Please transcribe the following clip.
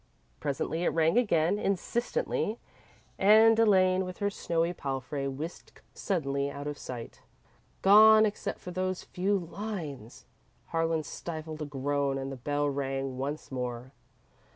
Presently it rang again, insistently, and Elaine, with her snowy palfrey, whisked suddenly out of sight. Gone, except for these few lines! Harlan stifled a groan and the bell rang once more.